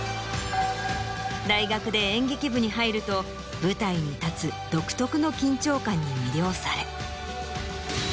大学で演劇部に入ると舞台に立つ独特の緊張感に魅了され。